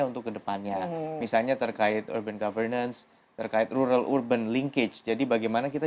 untuk kedepannya misalnya terkait urban governance terkait rural urban linkage jadi bagaimana kita